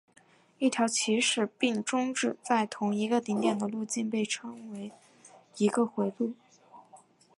一条起始并终止在同一个顶点的路径被称为一个回路。